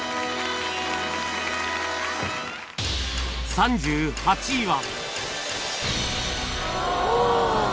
３８位は